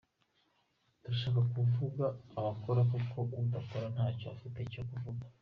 Turashaka ko havuga abakora kuko udakora ntacyo afite cyo kuvuga.